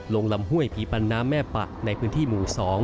ลำห้วยผีปันน้ำแม่ปะในพื้นที่หมู่๒